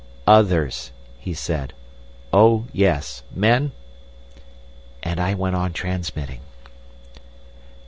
"'Others,' he said. 'Oh yes, Men?' "And I went on transmitting."